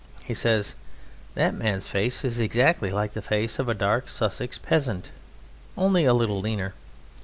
He says: "That man's face is exactly like the face of a dark Sussex peasant, only a little leaner."